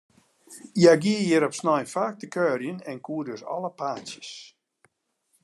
Hja gie hjir op snein faak te kuierjen, en koe dus alle paadsjes.